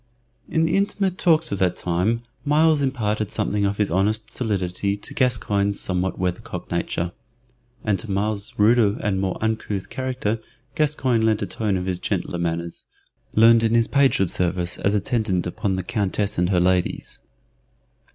In the intimate talks of that time Myles imparted something of his honest solidity to Gascoyne's somewhat weathercock nature, and to Myles's ruder and more uncouth character Gascoyne lent a tone of his gentler manners, learned in his pagehood service as attendant upon the Countess and her ladies.